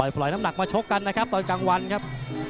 ปล่อยน้ำหนักมาชกกันนะครับตอนกลางวันครับ